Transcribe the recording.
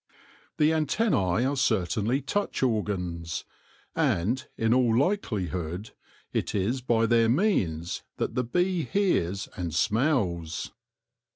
The antennae are certainly touch organs, and, in all likelihood, it is by their means that the bee hears and smells.